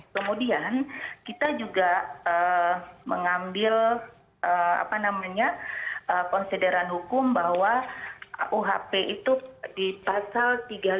kemudian kita juga mengambil konsideran hukum bahwa uhp itu di pasal tiga puluh lima